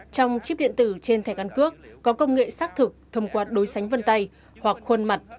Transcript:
trong chip điện tử trên thẻ căn cước có công nghệ xác thực thông qua đối sánh vân tay hoặc khuôn mặt